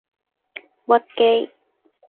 屈機